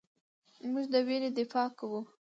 موږ د ویرې دفاع کوو.